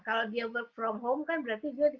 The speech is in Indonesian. kalau dia work from home kan berarti dia